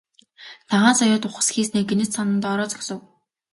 Цагаан соёот ухасхийснээ гэнэт санан доороо зогсов.